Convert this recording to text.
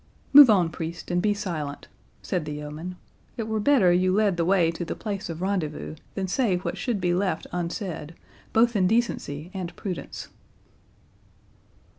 "Move on, priest, and be silent," said the yeoman; "it were better you led the way to the place of rendezvous, than say what should be left unsaid, both in decency and prudence."